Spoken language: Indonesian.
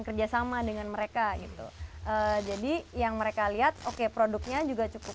kerjasama dengan mereka gitu jadi yang mereka lihat oke produknya juga cukup